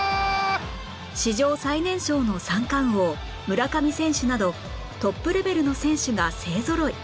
史上最年少の三冠王村上選手などトップレベルの選手が勢ぞろい